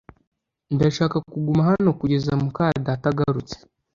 Ndashaka kuguma hano kugeza muka data agarutse